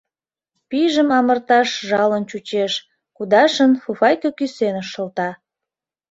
Пижым амырташ жалын чучеш, кудашын, фуфайке кӱсеныш шылта.